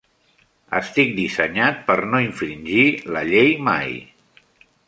Estic dissenyat per no infringir la llei mai.